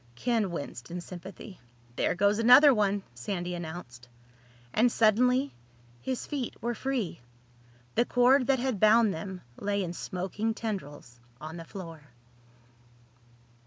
Ken winced in sympathy. "There goes another one!" Sandy announced. And suddenly his feet were free. The cord that had bound them lay in smoking tendrils on the floor.